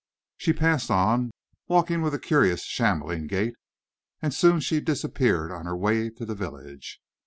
She passed on, walking with a curious, shambling gait, and soon she disappeared on her way to the village.